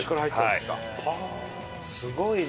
すごいな。